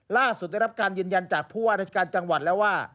ล่าสุดได้รับการยืนยันจากผู้ว่าราชการจังหวัดแล้วว่า